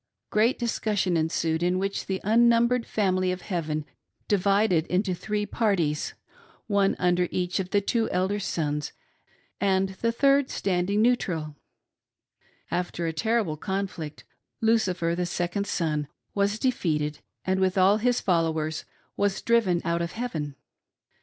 Great discussion ensued, in which the unnumbered family of heaven divided into three parties, — one under each of the two elder sons, and the third standing neutral. After a ter THE ORIGIN OF THE DEVIL, THE NEGRO, AND THE WORLD. 299 rible conflict, Lucifer, the second son was defeated, and, with all his followers, was driven out of heaven.